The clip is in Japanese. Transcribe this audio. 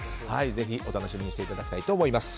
ぜひお楽しみにしていただきたいと思います。